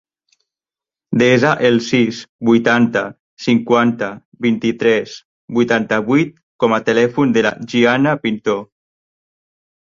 Desa el sis, vuitanta, cinquanta, vint-i-tres, vuitanta-vuit com a telèfon de la Gianna Pintor.